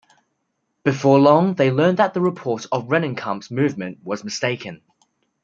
Before long they learned that the report of Rennenkampf's movement was mistaken.